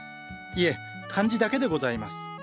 いえ漢字だけでございます。